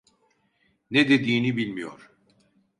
Ne dediğini bilmiyor.